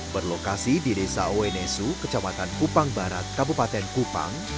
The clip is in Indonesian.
berlokasi di desa wenesu kecamatan kupang barat kabupaten kupang